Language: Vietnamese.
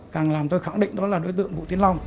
càng làm tôi khẳng định đó là đối tượng vụ tiến lòng